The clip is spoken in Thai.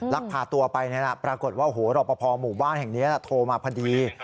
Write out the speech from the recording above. ลักพาตัวไปนี่น่ะปรากฏว่าโหรอบพอมุมบ้านแห่งเนี้ยโทรมาพอดี